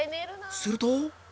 すると